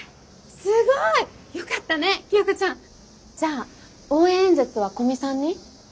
すごい！よかったね清子ちゃん！じゃあ応援演説は古見さんに？